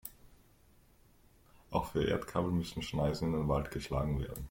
Auch für Erdkabel müssen Schneisen in den Wald geschlagen werden.